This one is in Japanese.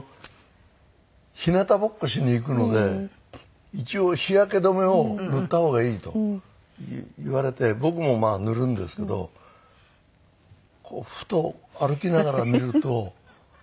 日なたぼっこしに行くので一応日焼け止めを塗った方がいいと言われて僕もまあ塗るんですけどふと歩きながら見ると。